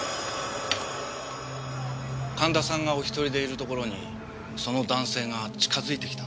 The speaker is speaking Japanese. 神田さんがお一人でいるところにその男性が近づいてきたんです。